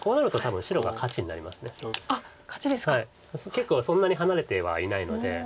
結構そんなに離れてはいないので。